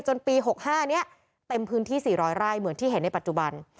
ปี๖๕นี้เต็มพื้นที่๔๐๐ไร่เหมือนที่เห็นในปัจจุบัน